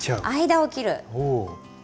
間を切る。